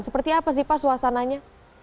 seperti apa sih pak suasananya